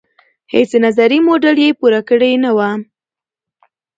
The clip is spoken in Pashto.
هیڅ نظري موډل یې پور کړې نه وه.